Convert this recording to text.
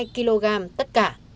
bảy mươi hai kg tất cả